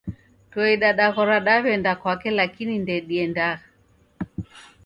Toe dadaghora daw'enda kwake laikini ndediendagha